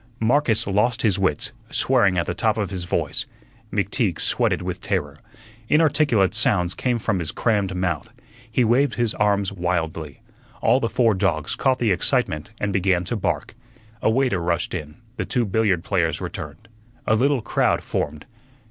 Marcus lost his wits, swearing at the top of his voice. McTeague sweated with terror; inarticulate sounds came from his crammed mouth; he waved his arms wildly; all the four dogs caught the excitement and began to bark. A waiter rushed in, the two billiard players returned, a little crowd formed.